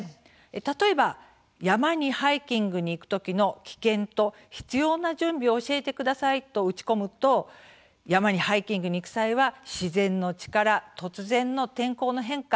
例えば、山にハイキングに行く時の危険と必要な準備を教えてくださいと打ち込むと山にハイキングに行く際は自然の力、突然の天候の変化